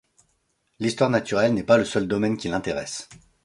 L’histoire naturelle n’est pas le seul domaine qui l’intéresse.